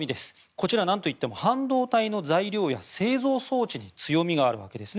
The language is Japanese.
こちら、なんといっても半導体の材料や製造装置に強みがあるわけです。